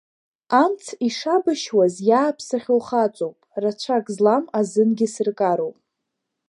Амц ишабашьуаз иааԥсахьоу хаҵоуп, рацәак злам азынгьы сыркароуп.